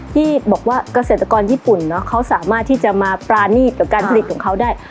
ที่บอกว่าเกษตรกรญี่ปุ่นเขาสามารถที่จะมาปรานีตกับการผลิตของเขาได้